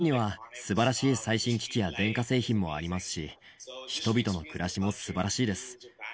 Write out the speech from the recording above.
日本にはすばらしい最新機器や電化製品もありますし、人々の暮らしもすばらしいです。